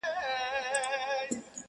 اوسېدله دوه ماران يوه ځنگله كي.!